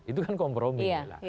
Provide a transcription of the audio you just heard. itu kan kompromi